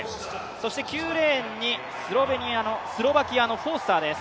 そして９レーンにスロバキアのフォースターです。